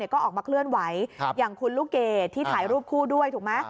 ก็ออกมาเคลื่อนไหวอย่างคุณลูกเกดที่ถ่ายรูปคู่ด้วยถูกไหม